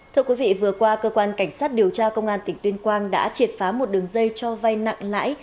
thưa quý vị vừa qua cơ quan cảnh sát điều tra công an tỉnh tuyên quang đã triệt phá một đường dây cho vay nặng lãi